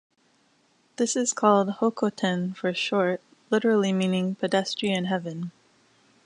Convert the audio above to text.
This is called or "Hokoten" for short, literally meaning "pedestrian heaven".